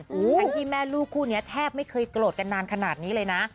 ทั้งที่แม่ลูกคู่นี้แทบไม่เคยโกรธกันนานขนาดนี้เลยนะ